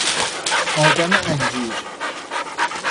آدم انجیر